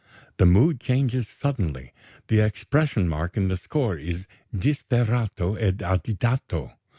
The mood changes suddenly the expression mark in the score is disperato ed agitato.